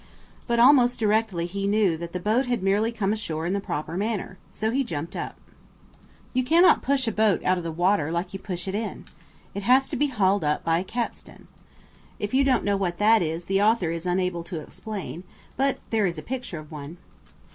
But almost directly he knew that the boat had merely come ashore in the proper manner, so he jumped up. You cannot push a boat out of the water like you push it in. It has to be hauled up by a capstan. If you don't what that is the author is unable to explain, but there is a picture of one.